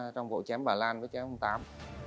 trong vụ chém bà lan với chém